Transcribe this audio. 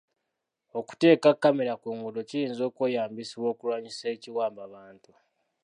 Okuteeka kkamera ku nguudo kiyinza okweyambisibwa okulwanyisa ekiwambabantu.